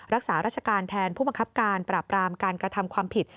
รักษาราชการแทนผู้บังคับการปราบรามการกระทำความผิด